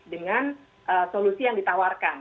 dengan solusi yang ditawarkan